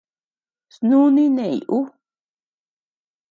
Snúni neʼeñ ú.